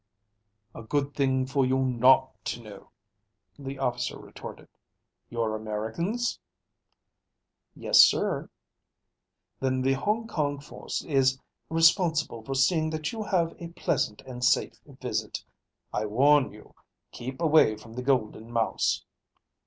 "A good thing for you not to know," the officer retorted. "You're Americans?" "Yes, sir," Scotty said. "Then the Hong Kong force is responsible for seeing that you have a pleasant and safe visit. I warn you. Keep away from the Golden Mouse."